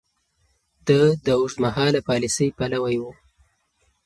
ده د اوږدمهاله پاليسۍ پلوی و.